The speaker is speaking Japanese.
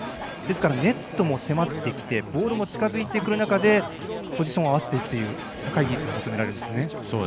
ネットも迫ってきてボールも近づいてくる中でポジションを合わせていく高い技術が必要なんですね。